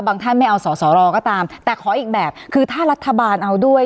ท่านไม่เอาสอสอรอก็ตามแต่ขออีกแบบคือถ้ารัฐบาลเอาด้วย